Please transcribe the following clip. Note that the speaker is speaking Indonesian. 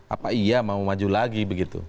apa iya mau maju lagi begitu